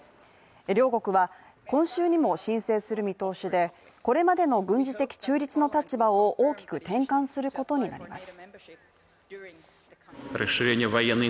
両国は今週にも申請する見通しで、これまでの軍事的中立の立場を大きく転換することになります。